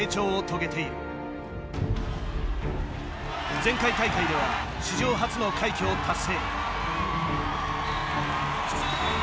前回大会では史上初の快挙を達成。